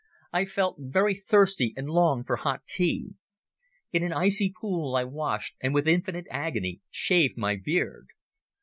I felt very thirsty and longed for hot tea. In an icy pool I washed and with infinite agony shaved my beard.